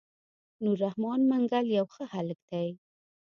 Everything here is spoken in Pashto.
نور رحمن منګل يو ښه هلک دی.